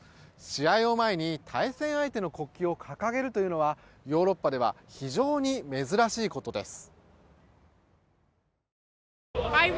試合を前に対戦相手の国旗を掲げるというのはヨーロッパでは非常に珍しいことです。